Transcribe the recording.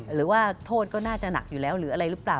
หรือว่าโทษก็น่าจะหนักอยู่แล้วหรืออะไรหรือเปล่า